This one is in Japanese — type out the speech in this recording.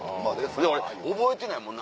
俺覚えてないもん